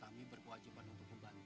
kami berkewajiban untuk membantu